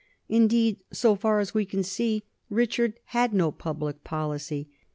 Indeed, so far as we can see, Richard had no public policy.